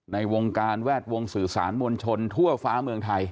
ในวงการแวดวงสื่อสารมวลชนทั่วฟ้าเมืองไทย